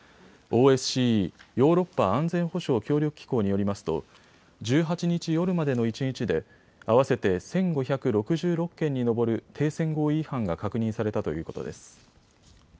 ・ヨーロッパ安全保障協力機構によりますと１８日夜までの一日で合わせて１５６６件に上る停戦合意違反が確認されたということです。